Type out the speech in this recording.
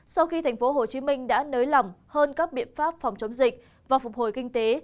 sau khi tp hcm đã nới lỏng hơn các biện pháp phòng chống dịch và phục hồi kinh tế